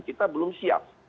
kita belum siap